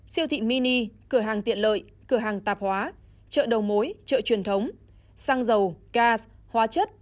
siêu thị mini cửa hàng tiện lợi cửa hàng tạp hóa chợ đầu mối chợ truyền thống xăng dầu cas hóa chất